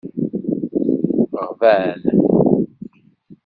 Ɣban.